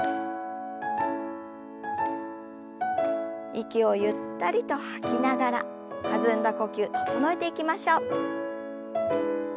息をゆったりと吐きながら弾んだ呼吸整えていきましょう。